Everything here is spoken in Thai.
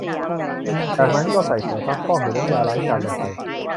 จากนั้นก็ใส่ผงซักฟอกหรือน้ำยาล้างจานลงไป